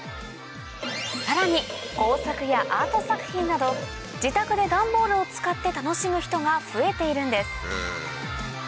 さらに工作やアート作品など自宅でダンボールを使って楽しむ人が増えているんです